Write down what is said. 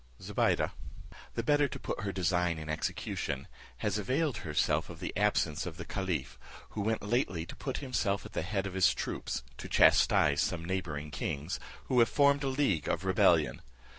"Zobeide, the better to put her design in execution, has availed herself of the absence of the caliph, who went lately to put himself at the head of his troops, to chastise some neighbouring kings, who have formed a league of rebellion.